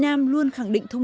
với người dân hà nội